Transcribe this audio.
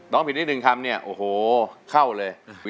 ร้องผิดได้๑คำเนี่ยโอ้โหเข้าเลย